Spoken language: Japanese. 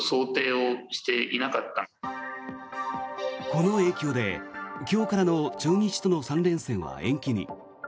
この影響で今日からの中日との３連戦は延期に。